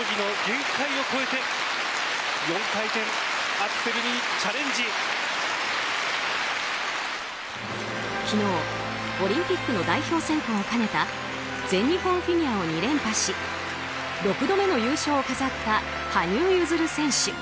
羽生選手は昨日、オリンピックの代表選考を兼ねた全日本フィギュアを２連覇し６度目の優勝を飾った羽生結弦選手。